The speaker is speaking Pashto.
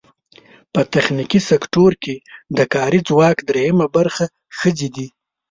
په تخنیکي سکټور کې د کاري ځواک درېیمه برخه ښځې دي.